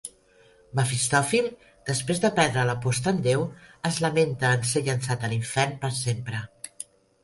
Mefistòfil, després de perdre l'aposta amb Déu, es lamenta en ser llançat a l'infern per sempre.